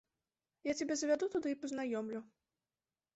Я цябе завяду туды і пазнаёмлю.